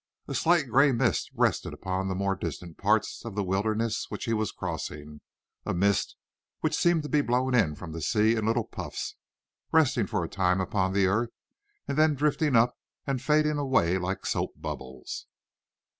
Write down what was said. A slight grey mist rested upon the more distant parts of the wilderness which he was crossing, a mist which seemed to be blown in from the sea in little puffs, resting for a time upon the earth, and then drifting up and fading away like soap bubbles.